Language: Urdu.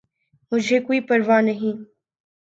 !مجھے کوئ پرواہ نہیں